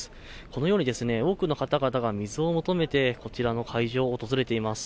このように多くの方々が水を求めてこちらの会場を訪れています。